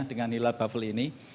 dengan hilal bafel ini